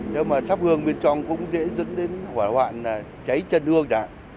nếu mà tháp hương bên trong cũng dễ dẫn đến hỏa hoạn cháy chân hương đạn